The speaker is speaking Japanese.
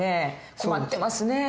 困ってますね。